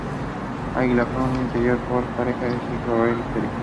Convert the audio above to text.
Águila y Fauno, y teniendo por pareja al Hijo de Rey Mysterio.